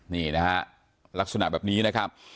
นี่นะฮะลักษณะแบบนี้นะครับ